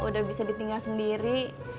udah bisa ditinggal sendiri